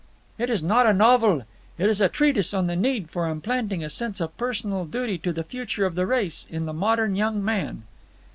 "It is not a novel. It is a treatise on the need for implanting a sense of personal duty to the future of the race in the modern young man."